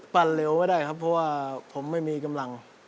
เร็วไม่ได้ครับเพราะว่าผมไม่มีกำลัง